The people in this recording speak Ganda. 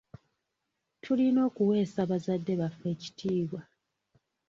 Tulina okuweesa bazadde baffe ekitiibwa.